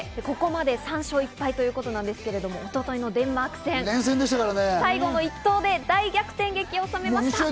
ここまで３勝１敗ということで、一昨日のデンマーク戦、最後の１投で大逆転劇を収めました。